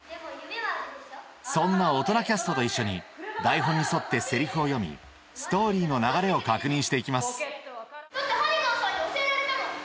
そんな大人キャストと一緒に台本に沿ってセリフを読みストーリーの流れを確認していきますだってハニガンさんに教えられたもん。